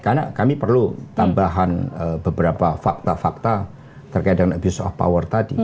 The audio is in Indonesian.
karena kami perlu tambahan beberapa fakta fakta terkait dengan abuse of power tadi